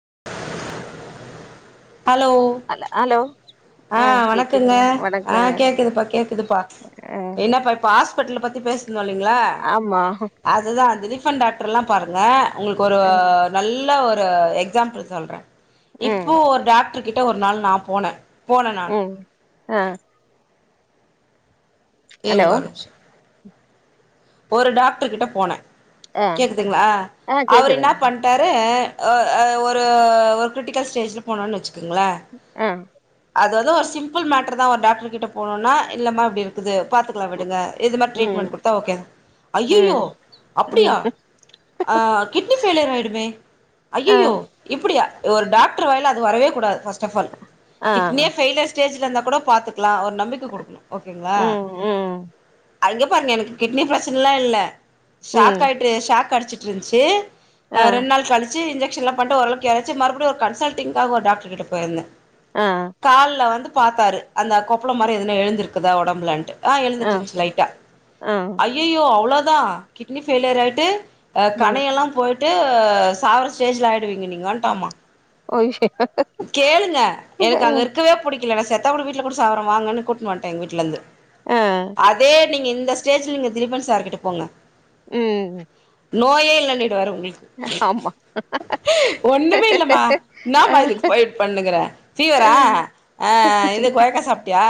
[inaudible] ஹல hello ஆ ஆஹ் வணக்குங்க கேக்குதுங்க வணக்கங்க ஆஹ் கேக்குதுப்பா கேக்குதுப்பா ஆ என்னப்பா பா ஹாஸ் பிடல் பத்தி பேசு சொன்னோனீங்களா ஆமா அதுதான் ரீஃபைண்ட்ட ட்டறல்லாம் பாருங்க உங்களுக்கு ஒரு ஆ நல்ல ஒரு எக்ஸாம்பிள் சொல்றேன் ம் இப்போ டாக் டர்கிட்ட ஒரு நாள் நான் போனே போனே நானு ஆஹ் இருங்க ஒரு நிமிஷம் ஒரு டாக்டர் கிட்ட போனே ஆ கேக்குதுங்களா ஆ அவரு என்ன கேக்குதுங்க பண்டாரு ஆஹ் ஆஹ் ஒரு ஒரு கிரிட்டிக்கல் ஸ்டேஜில போனோன்னு வச்சு ஆஹ் அது வந்து ஒரு சிம்பிள் மேட்ரு தான் ஒரு டாக்டர் கிட்ட போணோன்னா இல்லமா இப்டி இருக்குது பாத்துக்லா ம் விடுங்க இது மாரி ட்ரி ட்மெண்ட் ம் கொடுத்தா ஓகே அய்யயோ அப்டியா ம் ஹ கிட்னி பெய்லியர் ஆயிடுமே ஆ அய்யயோ இப்ப டியா ஒரு டாக்டர் வாயில் அது வரவே கூடாது பர்ஸ்ட் ஆஃப் ஆல் ஆ கிட்னியே ஃபெயிலியர் ஸ்டேஜ் இருந்தா கூட பாத்துக்கலாம் ஒரு நம்பிக்கை கொடுக்கணும் ஓகேங்களா ம் ம் அங்க பாருங்க எனக்கு கிட்னி பிரச் சனைலா இல்ல ம் சாக்க ஆயிட்ரு ஷாக் ச்சிட்டு இருந்துச்சு ஆ ஆஹ் ரெண்டு நாள் கழிச்சு இன்ஜெ சன்லாம் பண்டு ஓரளக்கு இலச்சு மறுபடியும் ஒரு கன்சல்டிங்காக ஓரு டா க்டர் கிட்ட போயிருந்தேன் ஆ கால்ல வந்து பார்த்தாரு அந்த கொப்பளம்மரி எதுன எழுந்திருக்குதா உடம்புலன்ட்டு ஆஹ் ஆ எழுந்துட்டு இருந்துச்சு லைட்டா ஆ ஐ க்யும் அவ்வளோதான் கிட்னி ஃபயி லியர் ஆயிட்டு ஆஹ் ம் கணையெல்லாம் போயி ட்டு சாவர ஸ்டேஜ்ல ஆயிடுவீங்க நீங்கன்டமா ய ச [unintelligible] கேளுங்க எனக்கு அங்க இருக்கவே புடி கில்ல செத்தா கூட விட்ல கூட சவுர வாங்கன்னு கூட்னுவந்துட்ட எங்க வீட்டல இருந்து ஆ அதே நீங்க இந் த ஸ்டேஜ்ல நீங்க தீல்லீப்பன் சார்கிட்ட போங்க உம் நோயே இல்லனுட் டுவாரு உங்களுக்கு ஒண்ணுமே இல்லமா ஆ என்னமா இதுக்கு வெய்ட் பண்ணுங்கிற ஃபீவரா ஆஹ் கொய்யாக்கா சாப்பிட்டியா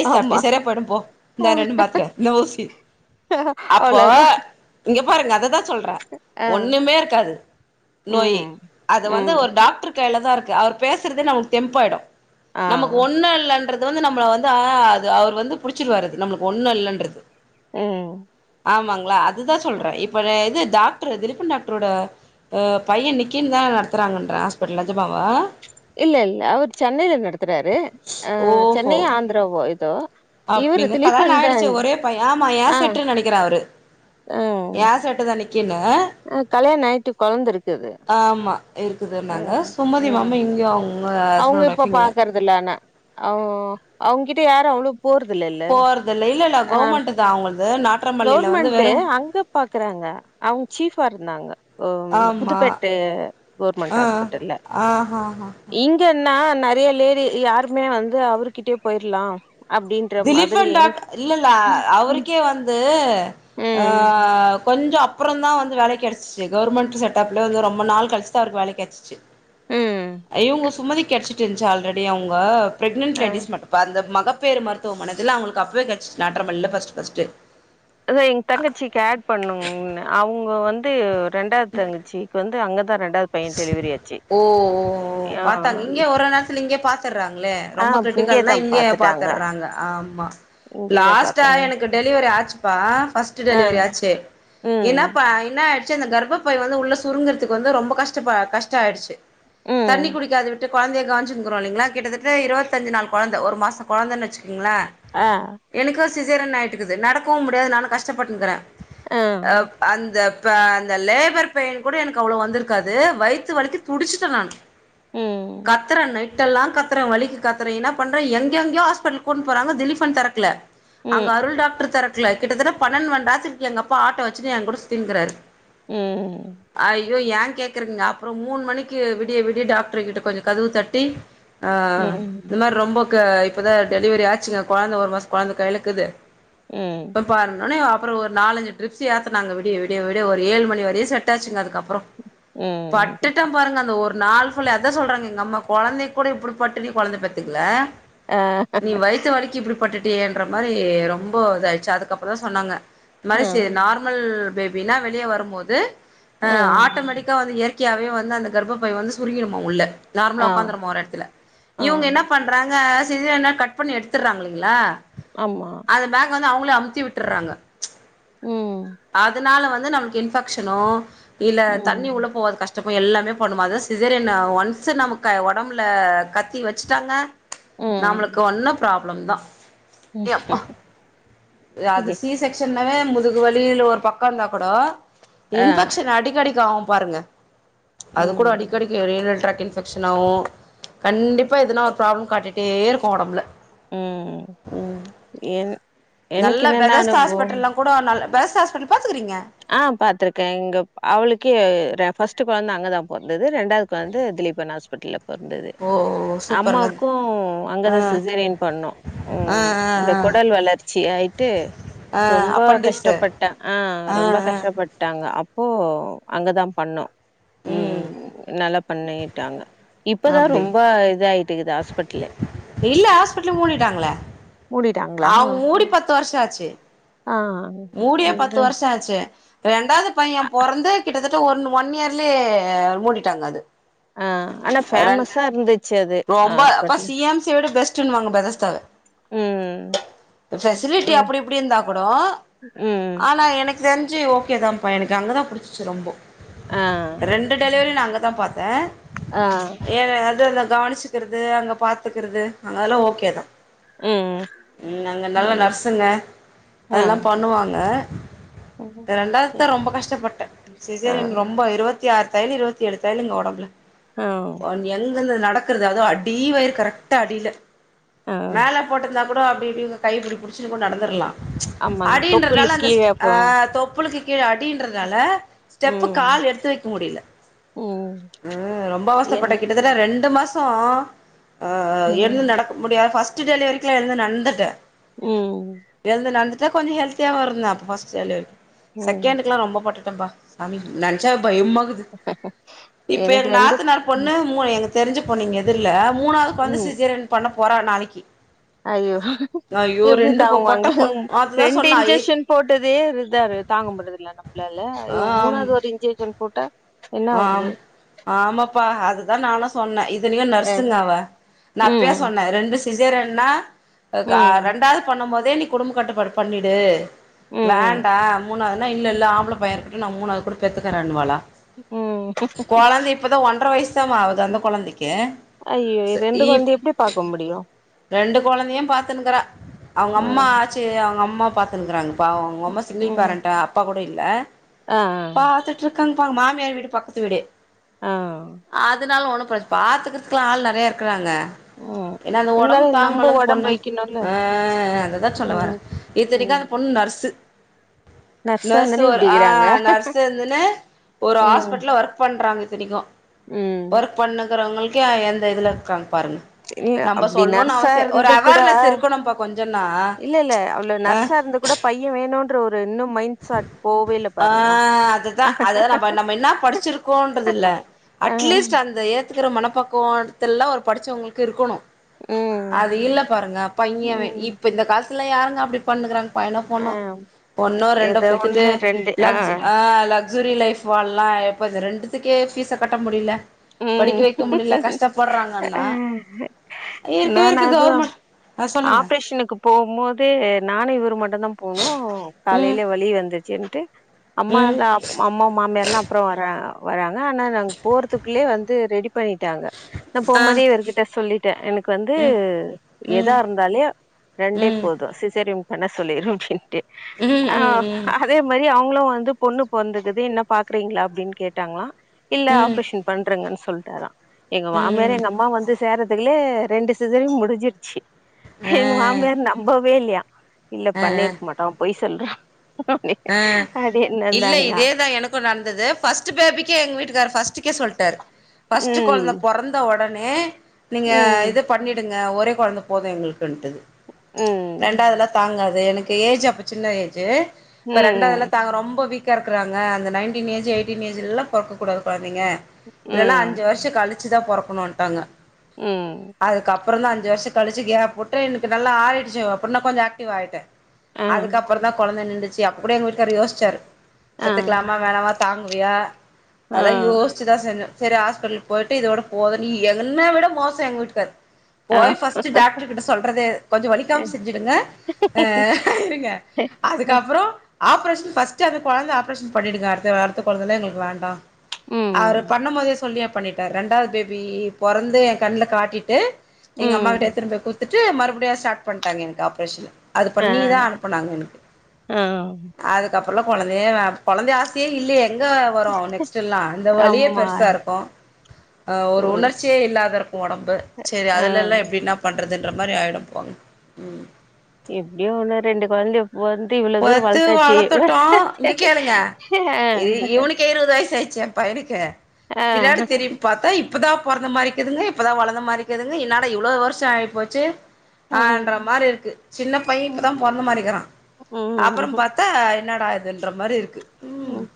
ஐஸ் ஆமா சாப்பிட்டியா சரியா போயிடும் போ இந்த ரெண்டு மாத்திர இந்த ஊசி அப்போ அவ்ளோதா இங்க பாருங்க அதுதான் சொல்றேன் ஆ ஒண்ணுமே இருக்காது நோய் ம் அது வந்து ம் ஒரு டாக்டாருக்கு அவர் கைலதான் இருக்கு அவர் பேசுறதே நமக்கு தெம்பாயிடும் ஆ நமக்கு ஒண்ணு இல்லன்றது அது வந்து நம்மள வந்து ஆஹ் அது அவர் வந்து புடிச்சிடிவாரு நம்ப ளுக்கு ஒண்ணு இல்லன்றது உம் ஆமாங்களா அதுதான் சொல்றேன் இப்ப இது டாக்டரு திலீப்பன் டாக்டரோட அஹ் பையன் நிக்கின்தான் நடத்துறாங்கன்ற ஹாஸ்பிட்டல் நிஜமாவ இல்ல இல்ல அவர் சென்னைல நடத்துறாரு அஹ் சென்னையே ஆந்திராவோ தோ அப்படிங்க கல்யாண ஆயிடுச்சு ஒரே பையன் ஆமா ஆ ஏசெட்டு நினைக்கிற அவரு ஆ ஏசெட்டு தான் ந கின்னா ஆ கல்யாண ஆயிட்டு கொழந்த இருக்குது ஆமா இருக்குதுன்னாங்க ம் சுமதி ம் மாமா இங்க அவங்க அவங்க ஹஸ்பண்ட் இப்ப ஒய்ஃப் இங்க பாக்குறதுல ஆன ஹ அவங்கிட்ட யார அவ்ளவு போறதுல இல்ல போறதில்ல இல்ல இல்ல அஹ் கவர்மெண்ட் தா அவங்களது நாட்றம்பள்ளியில வந்து கவுவர்மெண்ட் வெறு அங்க பாக்குறாங்க அவங்க சீஃபா இருந்தாங்க ஓ ஆமா புதுப்பேட்டை கவுமெண்ட் ஆ ஹாஸ்பிட்டல்ல ஆஹாஹா இன்னா நிறைய லேடி யாருமே வந்து அவரு கிட்டயே போயிரலாம் அப்டின்ற மாதிரி திலீப்பன் டாக் இல்லல்ல ம் அவருக்கே வந்து ம் அஹ் கொஞ்ச அப்பறம் தான் வந்து வேல கிடச்சிச்சி கவர்மெண்ட செட் அப்பே வந்து ரொம்ப நாள் கழிச்சி தான் அவருக்கு வேல கிடச்சிச்சி ம். அய்யயோ உங்க சுமதி கிடச்சிட்டு இருந்துச்சு ஆல்ரெடி அவங்க ப்ரெஞன்ட் அ லேடிஸ் மட்டும் பா அந்த மகப் பேர்ரு மரு த்துவமான அவங்களுக்கு அப்பவே கிச்சிச்சு நாற்றம்பள்ளில பஸ்ட் பஸ்ட் அதா எங்க இப்ப வந்து இரண்டாவது தங்கச்சிக்கு வந்து அங்க ஓஹ் ஓஹ் ஓஹ் ஆ பாத்தாங்க இங்க ஓரு ஓரு நேரத்துல இங்க பா எடுத்துராங்களே ஆ ரொம்ப கிரிட்டிகல்ன இங்கேதா இங்கே பாத்துட்டாங்க பாத்துறாங்க ஆமா இங்கேதா லாஸ்ட்டா பாத்தாங்க எனக்கு டெலிவரி ஆச்சுபா ப்ரஸ்ட் ஆ டெலிவரி ஆச்சு இ ன்ன ம் பா இன்ன ச்ச அந்த கர்பப்பை வந்து உள்ள சுருங்கறக்கு வந்து ரொம்ப கஷ் ப்ப கஷ்ட ஆயடுச்சு தண்ணி ம் குடிக்காது விட்டு குழந்தைய கவனிச்சின்கிறோம் இலங்களா கிட்டத்தட்ட இருபத்திஞ்சு நாள் குழந்தை ஒரு மாச குழந்தைனு வச்சு ங்களா ஆ எனக்கு சீஸ்ஸரியன் ஆயிட்டுக்குது நடக்கவோ முடியாது நானு கஷ்டப்பட்டுக்கினு றே ஆ அஹ் அந்த அந்த லேபர் பெயின் கூட எனக்கு அவ்வளவு வந்திருக்கு க்காது வயித்து வலிக்கு துடிச்சுட்டே நானு ம் கத்தறணை நைட்டால்லாம் கத்துறேன் வழிக்கு கத்துறேன் என்ன பண்றன் எங்கயோ எங்கயோ ஹாஸ்பிட்டல் கூட்டிண்டு போறாங்க திலீப்பன் திறக்கல அங்க ம் அருள் டாக்டர் திரக் கல கிட்டத்தட்ட பன்னென்மந்நேரத்துக்கு எங்கப்பா ஆட்டோ வச்சிட்டு என் கூட சுத்திங்கறாரு உம் யோ ஏங் கேக்குறீங்க அப்பறோ மூணு மணிக்கு விடிய விடிய டாக்டர் கிட்ட கொஞ்சோ கதவு தட்டி ஆஆ இந்த ம் மாரி ரொம்போ க இப்பதா டெலிவிரி ஆச்சுங்க கொழந்த ஒரு மாசோ கொழந்த கைலக்குது ம் போய் பாருங்கன்னு அப் அப்பறோ ஒரு நாலஞ்சு ட்ரிப்ஸ் ஏத்தனாங்க விடிய விடிய விடிய ஒரு ஏழு மணி வரையு செட்டாச்சுங்க அதுக்கப்பறோ ம் பட்டுட்ட பாருங்க அந்த ஒரு நாள் ஃபுல்லா அதா சொல்றங்க எங்க அம்மா கொழந்தையக்கூட இப்டி பட்டுனே கொழந்த பெத்துக்கள ஆ நீ வயத்து வலிக்கு இப்டி பட்டுட் அப்படியேன்ற மாரி ரொம்போ இதாயிருச்சா அதுக்கப்புறோ சொன்னாங்க இந்த மாரி சேய் ம் நார்மல் பேபினா வெளிய வரம்போது ஹம் இந்த இயற்கியாவே வந்து அந்த கர்பப்பை வந்து சுருங்கிடுமா உள்ள நார்மலா ஆ உக்காந்துருமோ ஒரு எடத்துல ஆ இவங்க என்ன பண்றாங்க இது என்ன கட் பண்ணி எடுத்துராங்க இல்லிங்களா ஆமா அவங்களே அமுச்சி விட்டுறாங்க ம்ச் ம் வந்து நமக்கு இன்ஃபெக்க்ஷனோ இல்ல தண்ணி உள்ள ம் போவாது கஷ் ட்றப்போ எல்லாமே பண்ணுமா அதா சிசேரியன் ஒன்ஸ் நமக்கு ஒடம்புல கத்தி வச்சுட்டாங்க நம்ளுக்கு ம் ஒண்ணு பிராப் ழொந்தா டே அப்பா அது சி செக்க்ஷன் னாவே முதுகு வலி வெளில ஒரு பக்கோ இருந்தா கூடோ ஆ இன்ஃபெக்ஷன் அடிக்கடிக் ஆகும் பாருங்க ம்ச் அது கூட ம் அடிக்கடிக்கு ரயில்வே ட்ரேக் இன்ஃபெக்ஷன் ஆகு கண்டிப்பா எதுனா ஒரு ப்ராப்ளம் காட்டிட்டே இருக்கு ஒடம்புல ம் ஏன் நல்ல பெதஸ் ஹாஸ்பிட்டல்லாங் கூடோ நல்ல பெஸ் ஹாஸ்பிட்டல் பாத்துக்கீறிங்க ஆ பாத்துருக்கேங் இங்க அவளுக்கே ஃபஸ்ட்டு கொழந்த அங்கதா பொறந்து து ரெண்டாவதுக்கு வந்து திலீப் அண்ணா ஹாஸ் பட்லப் வந்தது ஓ சூப்பருங்க அம்மாவுக்கு அங்கதா ஆ சசேரியன் பண்ணோ ஆ ம் இந்த ஆ கொடல் வளர்ச்சி ஆயிட்டு ஆ ஆ ரொம்போ அப்பன்டிஸு கஷ்டப்பட்ட ஆ ரொம்ப கஷ்டப்பட்டாங்க அப் போ அங்கதா பண்ணோ ம் ம்க்ம் நல்லாப் பண்ணீட்டாங்க இப்பதா அப்டி ரொம்ப இதாயி ட்டுக்குதா ஹாஸ்பிட்லே இல்ல ஹாஸ்பிட்லே மூடிட்டாங்களே மூடிட்டாங்களா? அவ மூடி பத்து வருஷோ ஆச்சு ஆ. மூடியே பத்து இந்த வருஷோ ஆச்சு ரெண்டாவது பைய பொறந்து கிட்டத்தட்ட ஒன் ஒன் இயர்லயே மூடிட்டாங்க அது அ ஆனா பேமஸ்ஸா இருந்துச்சு அது ஆ ரொம்போ அப்ப ஹாஸ்பிட்டல். சி எம் சியோட பெஸ் ட்டுன்னுவாங்க பெதஸ்தாவ ம். பெசிலிட்டி ம். அப்டி இப்டி இருந்தா கூடோ ம். ஆனா எனக்கு தெரிஞ் சேர் ஓகேதாம்ப்பா எனக்கு அங்கதா புடிச்சு ரொம்போ ஆ. ரெண்டு டெலிவிரி நா அங்கதா பாத்த ஆ. ஏ அததாதா கவனிச் வெச்சுக்கிறது அங்கப் பாத்துக்கிறது அங்கெல்லா ஓகேதா ம். ம் அங்க நல்ல ம். நர்சுங்க ஆ. அதெல்லாம் பண்ணுவாங்க ம். ரெண்டாவதுதா ரொம்ப கஷ்டப்பட்ட ஆ. சிசேரியன் ரொம்ப இருபத்தி ஆறு தயலு இருபத்தி ஏழு தயலுங்க ஒடம்புல ஆ. ஒன் எங்கிருந்து நடக் க்குறது அதோ அடி வயிறு கரெக்டா அடியில ஆ. மேல போட்டுருந்தாக் கூட அப்படி இப்புடின்னு கைய இப்புடி புடுச்சுட்டு கூட நடந்துருலா ஆமா அந்த அடின்றதால தொப்புளுக்கு அந்த கீழ ஸ்சிஸ்ட் அ அப்புறம் தொப்புளுக்கு கீழ அடின்றதால ஸ்டெப்பு ம். கால் எடுத்து வெக்க முடில ம். ம் ரொம்ப அவசப்பட்ட என் கிட்டத்தட்ட ரெண்டு மாஸ் சோ ஆஆ ம். எழுந்து நடக்க முடியாத ஃபஸ்ட் ஸ்டு டெலிவரிக்குள்ளா எழுந்து நடந்துட்ட ம் இத கொஞ்சோ ஹெல்தியாவு இருந்த அப்போ ஃபஸ்ட்டு டெலிவரிக்கு ம். செக்கெண்டுக்குல்லா ரொம்போ பட்டுட் டம்பா சாமி நெனச்சாவே பயமாக்குது இப்ப எனக்கு எங்க நாத்தநார் ம். பொண்ணு மூ எங்கது தெரிஞ்சுப் ப்போ நீங்க எதுருல் ல்ல மூணாவது கொழந்த சிசேரியன் பண்ணப் போரா நாளைக்கு ஐய்யோ எப்டி பொட்ட தாங்குவாங்ளோ பொ அதுதா ரெண்டு சொன்னா எ இன்ஜெக்க்ஷன் போட்டதே இதா தாங்க முடிறதுல்லல்ல நம்மளால இவங்க ஆம் மூணாவது ஒரு இன்ஜெக்க்ஷன் போட்டா என்ன ஆம் வருது? ஆமாப்பா அதுதா நானு சொன்ன இதுலயும் அ. நர்சுங்க‌ அவ நா அப்பயே ம் சொன்ன ரெண்டு சிஸ் சிசேரியன்னா ம் அதுக்காக ரெண்டாவது பண்ணும் போது அதே நீ குடும்ப கட்டுப்பாடு பண்ணிடு ம் வேண்டா மூணாவது நா இல்ல இல்ல ஆம்புள பைய இருக்கட்டு நா மூணாவது கூட பெத்துக்குறனுவாலா ம் கொழந்த இப்பதா ஒன்ற வயிஸ் வருத்தமாவுது அந்த கொழந்திக்கு கே ஐயோ ச ரெண்டு ப் கொழந்தைய எப்டி பாக்க முடியு ரெண்டு கொழந்தையும் பாத்துனுக்குறா அவங்க அம்மா ம் ஆச்சு அவங்க அம்மா பாத்துனுருக்குறாங்க பாவோ அவுங்க அம்மா சிங்குல் ம் பேரண்ட்டா அப்பா கூடோ இல்ல ஆ பாத்துட்ருக்காங்ப்பா அவங்க மாமி மியார் வீடு பக்கத்து விடு ஆ அதுனால உனுக் பாத்துக்குறதுக்கலா ஆள் நெறைய இருக்குறாங்க ம் ஏன்னா அந்த ஒடம்பு இருந்தாலு நம்ப தாங்கனுல்ல அந்த ஒடம்பு பொண்ணு வைக்கணுல்ல அ அதுதா சொல்ல வர ம் இத்தனைக்கு ம் அந்த பொண்ணு நர்சு நர்ஸா நர்சு இருந்தானே ஒரு ஆ இப்டிக்கிறாங்க நர்ஸ் இருந்துன்னு ஒரு ஹாஸ் ம் பட்ல ஒர்க் பண்றாங்க இத்தினிக்கு ம் ஒர்க் பண்ணுறவங்களுக் கா எந்த இதுல இருக்காங் நீங்க அப்புடி நர்ஸா ஒரு இருந்து கூட அவேர்னஸ் இருக்கணும்ப்பா கொஞ்சன்னா இல்ல இல்ல அவ்ளோ ஆ நர்ஸா இருந்து கூட பைய வேணுன் ஆ பாருங்களே அதுதா அதா நம் நம்ம என்ன படிச்சிருக்கோன்றது இல்ல அட்லீஸ்ட் ம் அந்த ஏத்துக்குற மனப் பக்குவோ எடத்துல்லா ஒரு படிச்சவுங்களுக்கு இருக்கோணு அது ம் இல்ல பாருங்க பைய ம் இப்ப இந்த கால த்துல யாருங்க அப்டி பண்ணுணுருக்றாங் பையனோ ஆ பொண்ணோ ஒண்ணோ ரெண் ஏதோ பெத்துட்டு ஒண்ணு ரெண்டு லக்ஸ் ஆ லக்ஸ் சுரி லைஃப் வாழலா எப்பா இது ரெண்டுத்துக்கே ஃபீஸ கட்ட முடியல ம் அ ஆ இருக்கவே நானு இருக்கு அதா கவர்மெண்ட் ஆ சொல்லுங்க ஆப்ரேஷனுக்கு போகும் போது நானு இவரு மட்டும்தா போனோ ம் காலைல வெளிய வந் துச்சுன்ட்டு அம்மா ம் எல்லா அம்மா மாமியார்லா அப்றோ வரா வராங்க ஆனா நாங்க போறதுக் குள்ளயே வந்து ரெடி பண்ணி ட்டாங்க நா ஆ போம்போதே இவருகிட்ட சொல்லிட்டே எனக்கு வந்து ம் எதா ம் இருந்தாலே ரெண்டே ம் போது சிசேரியன் பண்ண சொல்லிரு அப்டின்ட்டு. ம் ஆ ம் அதே மாரி அவ ங்களு வந்து பொண்ணு பொறந்துருக்குது இன்னா பாக்குறீங்களா அப்டின்னு கேட்டாங்களா இல்ல ம் ஆப்ரேஷன் பன்றுங்கன்னு சொல்ட்டாரா எங்க ம் மாமியாரு ம் எங்க அம்மா வந்து சேர்றதுக்குள்ளயே ரெண்டு சிசேரியன் முடிஞ்சிருச்சு. ஆ எங்க மாமியார் நம்பவே இல்லயா இல்ல ஆ ஆ பண்ணிருக்க மாட்டோ பொய் சொல்றோ ஆ இல்ல இதேதா எனக்கு நடந்தது ஃபர்ஸ்ட் பேபிக்கே எங்க வீட்டுக்கார் ஃபஸ்ட் டுக்கே சொல்ட்டார் ஃபர்ஸ்ட் ம் கொழந்த பொறந்த ஒட னே நீங்க ம் இது பண்ணிடுங் க ஒரே கொழந்த போது எங்களுக் குண்ட்டு ம் ரெண்டாவதுலா தாங்காது எனக்கு ஏஜ் அப்போ சின்ன ஏஜு அப்ப ரெண்டாவதுலா ம் தாங் ரொம்ப வீக் கா இருக்கறாங்க அந்த நைன்டீன் ஏஜ் எய்டீன் ஏஜ்லல்லா பொறக்க கூடாது கொழ ந்தைங்க இல்லனா ம் அஞ்சு வருஷ கழிச் சுதா பொறக்கணுன்ட்டாங்க ம் அப்புறந்தான் அஞ்சு வருஷம் கழிச்சி கேப்விட்டு எனக்கு நல்லா ஆறிடிடுச்சு அப்டின இன்னும் கொஞ்சோ ஆக்டிவ் ஆயிட்டேன் ஆ அதுக்கப்பறம் தான் கொழந்த நிண்டுச்சு சி அப்ப கூட எங்க விட்டுக்கார் யோசிச்சாரு ஆ கத்துக்கலாமா வேணமா சாமி போவியா ஆ அதான் யோசிச்சுதான் செஞ்சேன் சேரி ஹாஸ்பிட்டல் போயிட்டு இதோட போதும் நீ என்ன விட மோசம் எங்க வீட்டுக்காரு ஆ போய் ஃபஸ்ட் டாக்டர் கிட்ட சொல்றது கொஞ்சம் வலிக்காம செஞ்சுடுங்க ஆஹ் இருங்க அதுக்கு கப்பறோம் ஆப்ரேஷன் ஃபஸ்ட்டு அந்த கொழந்த ஆப்ரேஷன் பண்ணிடுங்க அடுத்த அடுத்த குழந்தலாம் எங்களுக்கு வேண்டாம் ம் அவரு ம் பண்ணும் போதே சொல்லி பண்ணிட்டார் ரெண்டாவது பேபி பொறந்து என் கண்ணுல காட்டிட்டு எங்க அம்மா ம் கிட்ட எத்துனு போய் குத்து ட்டு மறுபடியும் ஸ்டார்ட் பண்ணிட்டாங்க எனக்கு ஆப்ரேஷனு அது பண்ணிதான் அனுப்பினாங்க எனக்கு ஆஹ் அதுக்கு அப்பறம்லாம் குழந்தைய குழந்தை ஆசையே இல்லையே எங்க வரும் நெக்ஸ்ட்டெல்லாம் இந்த வழியே ஆமா பெருசா இருக்கும் ஒரு உணர்ச்சியே இல்லாத இருக்கும் உடம்பு சேரி ஆ அதுலெல்லாம் எப்படி என்னா பண் றது மாதிரி ஆயிடும் போங்க ம் எப்படியோ ஒன்னு ரெண்டு குழந்தைய பொத்து வழத்துடோம் இங்க கேளுங்க இவனுக்கு இருவது வயசு ஆயிடுச்சேன் பயனுக்கே ஆ ஆ பினாடி திரும்பி பார்த்தா இப்பதான் பொறந்த மாரிக்குதுங்க இப்பதான் வளந்த மாரிக்குதுங்க என்னடா இவ்வளவு வருஷம் ஆயிப்போச்சு ஹன்ற ம் மாரி இருக்கு சின்ன பையன் ம் இப்பதான் பொறந்த மாரிக்கிறான் ம் அப்பறம் பாத்தா என்னடா ஆதுன்ற மாரி இருக்கு ம் உம்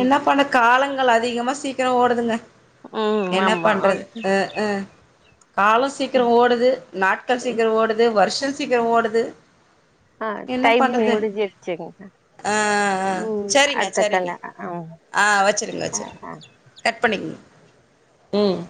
என்ன பண்ண காலங் கள் அதிகமா சீக்கிரம் ஓடுதுங்க ம் என்ன ஆமா பண்றது ஹ ஹ காலம் சீக்கிரம் ஓடுது நாட்கள் சீக்கிரம் ஓடுது வருஷம் சீக்கிரம் ஓடுது ஆ என்ன டைமிங் பண்றது முடிஞ்சிருச்சுங்க ஆஹ் ஹ் ம் சேரிங்க அடுத்த சேரிங்க கால்ல ஆ ஆ வச்சுருங் ஆ வச்சுருங் கட் பண்ணிக்குங் ம்